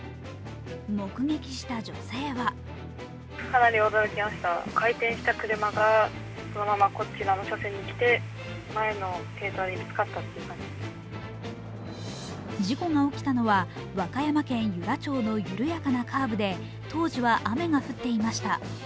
目撃した女性は事故が起きたのは和歌山県由良町の緩やかなカーブで当時は雨が降っていました。